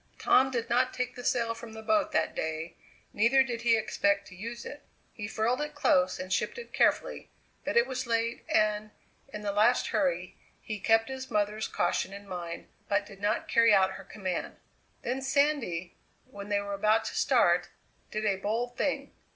Tom did not take the sail from the boat that day, neither did he expect to use it. He furled it close and shipped it carefully, but it was late, and, in the last hurry, he kept his mother's caution in mind, but did not carry out her command. Then Sandy, when they were about to start, did a bold thing.